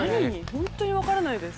本当に分からないです。